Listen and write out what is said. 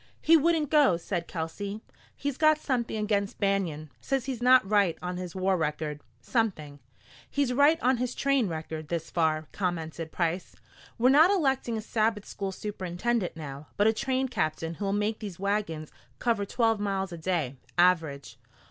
"He wouldn't go," said Kelsey. "He's got something against Banion; says he's not right on his war record something " "He's right on his train record this far," commented Price. "We're not electing a Sabbath school superintendent now, but a train captain who'll make these wagons cover twelve miles a day, average.